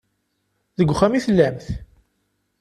Deg uxxam i tellamt?